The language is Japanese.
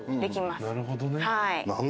なるほどね。